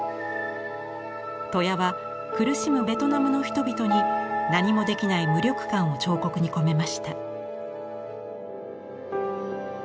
戸谷は苦しむベトナムの人々に何もできない無力感を彫刻に込めました。